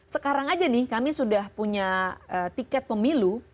sekarang aja nih kami sudah punya tiket pemilu